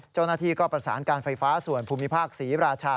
เจ้าหน้าที่ก็ประสานการไฟฟ้าส่วนภูมิภาคศรีราชา